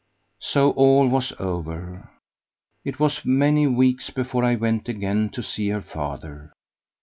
So all was over. It was many weeks before I went again to see her father.